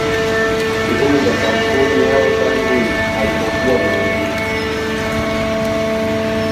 shughuli za kampuni yao tangu alipokuwa na umri